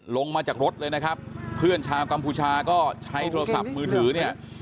ลงมาจากรถเลยนะครับเพื่อนชาวกัมพูชาก็ใช้โทรศัพท์มือถือเนี่ย